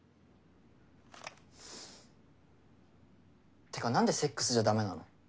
ってかなんでセックスじゃダメなの？